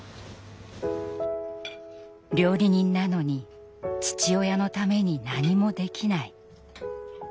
料理人なのに父親のために何もできない。